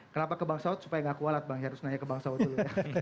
kenapa ke bang saud supaya gak kualat bang ya harus nanya ke bang saud dulu